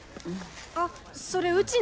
あっそれうちの。